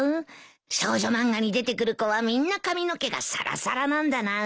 少女漫画に出てくる子はみんな髪の毛がサラサラなんだな。